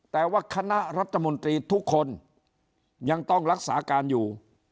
แต่ว่าคณะรัฐมนตรีทุกคนยังต้องรักษาการอยู่